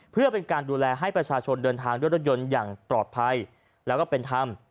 เพื่อเป็นการดูแลให้ประชาชนเดินทางด้วยรถยนต์อย่างปลอดภัยแล้วก็เป็นธรรม